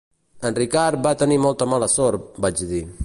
En Richard va tenir molta mala sort, vaig dir.